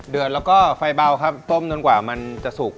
เดือดแล้วก็ไฟเบาครับต้มจนกว่ามันจะสุก